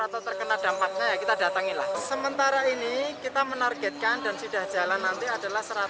atau terkena dampaknya ya kita datangilah sementara ini kita menargetkan dan sudah jalan nanti adalah